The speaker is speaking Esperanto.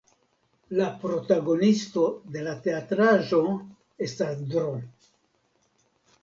La protagonisto de la teatraĵo estas Dro.